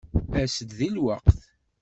As-d deg lweqt.